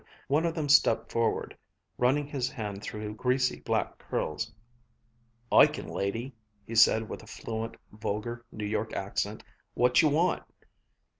One of them stepped forward, running his hand through greasy black curls. "I kin, lady," he said with a fluent, vulgar New York accent. "What ye want?"